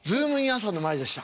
朝！」の前でした。